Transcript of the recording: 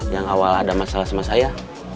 yang awal ada masalah sama saya